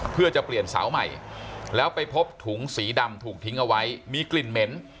เพื่อจะเปลี่ยนเสาใหม่แล้วไปพบถุงสีดำถูกทิ้งเอาไว้มีกลิ่นเหม็น